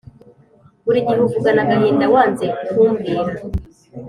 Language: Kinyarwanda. burigihe uvugana agahinda wanze kumbwira,